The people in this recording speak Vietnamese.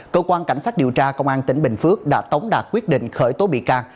cơ quan cảnh sát điều tra công an tỉnh bình phước đã tống đạt quyết định khởi tố bị can